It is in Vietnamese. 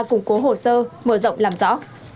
củng cố hồ sơ mở rộng làm rõ